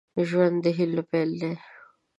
ژوند د هيلو پيل دی.